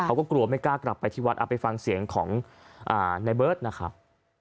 เขาก็กลัวไม่กล้ากลับไปที่วัดเอาไปฟังเสียงของในเบิร์ตนะครับ